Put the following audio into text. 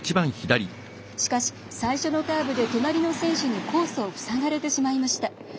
しかし、最初のカーブで隣の選手にコースを塞がれてしまいました。